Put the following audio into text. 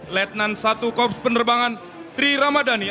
letnan satu korps penerbangan tri ramadhani